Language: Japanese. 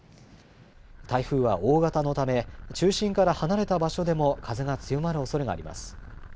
台風は大型のため、中心から離れた場所でも風が強まるおそれがあります。